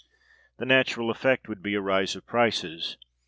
The natural effect would be a rise of prices.